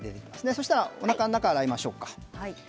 そうしたらおなかの中を洗いましょうか。